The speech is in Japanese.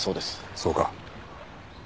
そうか。